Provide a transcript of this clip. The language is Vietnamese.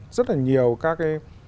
rất là nhiều các